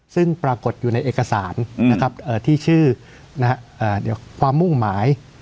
ซึ่งปรากฏอยู่ในเอกสารที่ชื่อความมุ่งหมาย